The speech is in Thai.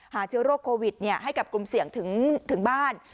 เชื้อโรคโควิดให้กับกลุ่มเสี่ยงถึงบ้าน